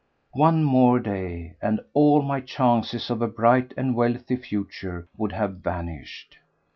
One more day and all my chances of a bright and wealthy future would have vanished.